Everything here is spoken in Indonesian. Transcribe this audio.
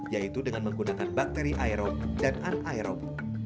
yaitu dengan menggunakan bakteri aerob dan aerob